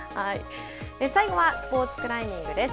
最後はスポーツクライミングです。